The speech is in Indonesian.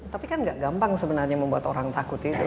tapi kan gak gampang sebenarnya membuat orang takut itu